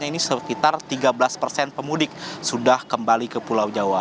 ini sekitar tiga belas persen pemudik sudah kembali ke pulau jawa